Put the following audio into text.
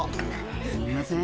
すみません。